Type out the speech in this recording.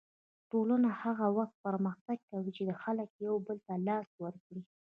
ټولنه هغه وخت پرمختګ کوي چې خلک یو بل ته لاس ورکړي.